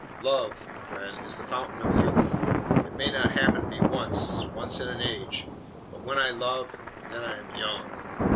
"LOVE, friend, is the fountain of youth! It may not happen to me once once in an age: but when I love then I am young.